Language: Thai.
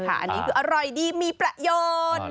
อันนี้คืออร่อยดีมีประโยชน์